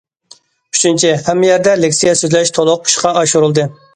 ئۈچىنچى، ھەممە يەردە لېكسىيە سۆزلەش تولۇق ئىشقا ئاشۇرۇلدى.